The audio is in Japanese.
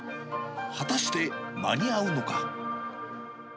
果たして間に合うのか。